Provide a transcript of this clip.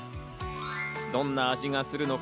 どんな味がするのか？